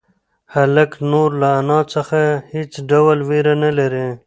هلک نور له انا څخه هېڅ ډول وېره نه لري.